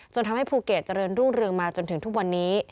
ทำให้ภูเก็ตเจริญรุ่งเรืองมาจนถึงทุกวันนี้